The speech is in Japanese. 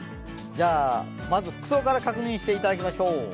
まず服装から確認していただきましょう。